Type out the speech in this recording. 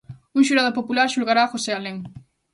Un xurado popular xulgará a José Alén.